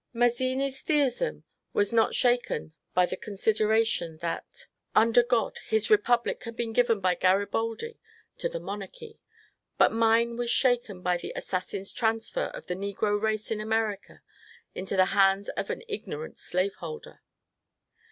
Mazzini's theism was not shaken by the consideration that MAZZmi'S DEATH 65 under God his republic had been given by Garibaldi to the monarchy, but mine was shaken by the assassin^s transfer of the negro race in America into the hands of an ignorant slaveholder.